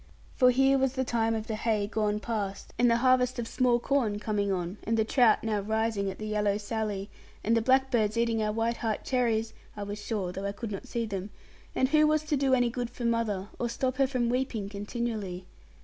For here was the time of the hay gone past, and the harvest of small corn coming on, and the trout now rising at the yellow Sally, and the blackbirds eating our white heart cherries (I was sure, though I could not see them), and who was to do any good for mother, or stop her from weeping continually?